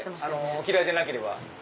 お嫌いでなければ。